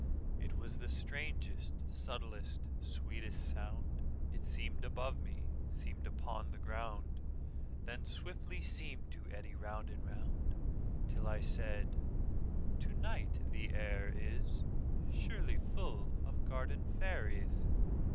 It was the strangest, subtlest, sweetest sound:It seem'd above me, seem'd upon the ground, Then swiftly seem'd to eddy round and round, Till I said: "To night the air isSurely full of garden fairies."